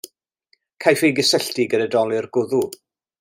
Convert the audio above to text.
Caiff ei gysylltu gyda dolur gwddw.